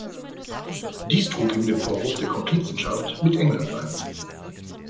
Dies trug ihm den Vorwurf der Komplizenschaft mit England ein.